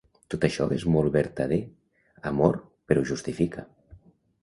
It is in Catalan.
Tot això és molt vertader, amor, però ho justifica.